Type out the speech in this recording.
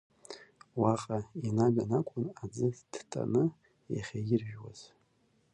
Уаҟа инаган акәын аӡы ҭтаны иахьаиржәуаз…